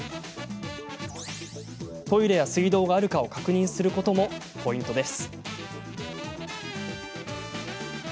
トイレや水道があるかを確認することもポイントです。